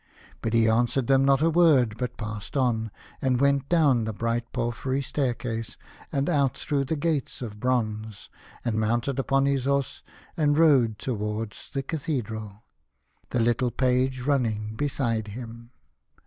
But he answered them not a word, but passed on, and went down the bright porphyry staircase, and out through the gates of bronze, and mounted upon his horse, and rode towards the cathedral, the little page running beside him.